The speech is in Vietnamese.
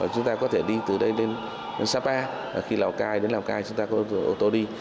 chúng ta có thể đi từ đây lên sapa khi lào cai đến lào cai chúng ta có ô tô đi